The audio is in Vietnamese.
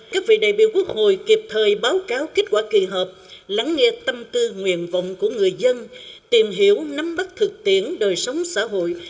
các vị đại biểu quốc hội kịp thời báo cáo kết quả kỳ họp lắng nghe tâm tư nguyện vọng của người dân tìm hiểu nắm bắt thực tiễn đời sống xã hội